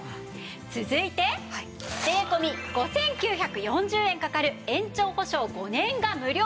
続いて税込５９４０円かかる延長保証５年が無料。